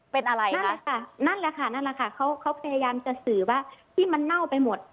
เป็นอะไรนั่นแหละค่ะนั่นแหละค่ะนั่นแหละค่ะเขาเขาพยายามจะสื่อว่าที่มันเน่าไปหมด